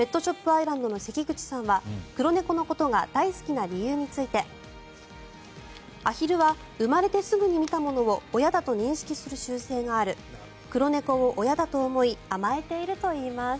アイランドの関口さんは黒猫のことが大好きな理由についてアヒルは生まれてすぐに見たものを親だと認識する習性がある黒猫を親だと思い甘えているといいます。